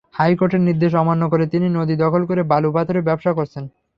হাইকোর্টের নির্দেশ অমান্য করে তিনি নদী দখল করে বালু-পাথরের ব্যবসা করছেন।